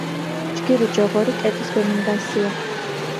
ჯგირი ჯოღორი კეტის ვემიგანცია